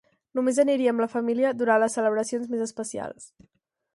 Només aniria amb la família durant les celebracions més especials.